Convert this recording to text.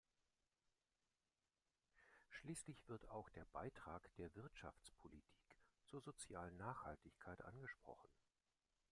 Schließlich wird auch der Beitrag der Wirtschaftspolitik zur sozialen Nachhaltigkeit angesprochen.